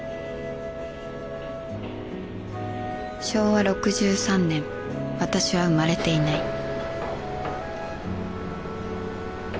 昭和６３年私は生まれていない